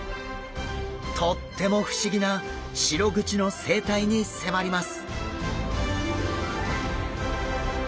とっても不思議なシログチの生態に迫ります！